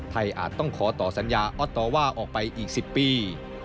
อาจต้องขอต่อสัญญาออสตอว่าออกไปอีก๑๐ปี